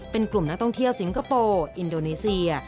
เป็นกลุ่มนักท่องเที่ยวสิงคโปร์อินโดนีเซีย